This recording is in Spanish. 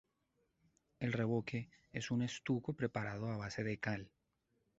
El revoque es un estuco preparado a base de cal.